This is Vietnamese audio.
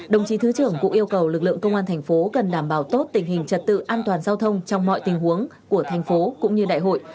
đồng chí thứ trưởng cũng yêu cầu lực lượng công an thành phố cần đảm bảo tốt tình hình trật tự an toàn giao thông trong mọi tình huống của thành phố cũng như đại hội